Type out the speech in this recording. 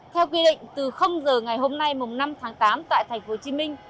theo quy định từ giờ ngày hôm nay năm tháng tám tại thành phố hồ chí minh